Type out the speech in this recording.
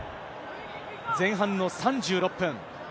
前半の３６分。